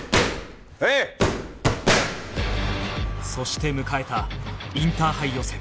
そして迎えたインターハイ予選